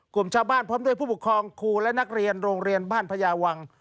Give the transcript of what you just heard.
กลุ่มชาวบ้านพร้อมด้วยผู้ปกครองครูและนักเรียนโรงเรียนบ้านพญาวัง